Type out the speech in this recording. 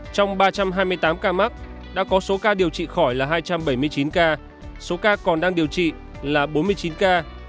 trong ba trăm hai mươi tám ca mắc đã có số ca điều trị khỏi là hai trăm bảy mươi chín ca số ca còn đang điều trị là bốn mươi chín ca